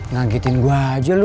nanggitin gue aja lu